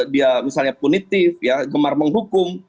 dia misalnya punitif ya gemar menghukum